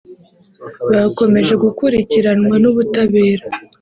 bakomeje gukurikiranwa n’ubutabera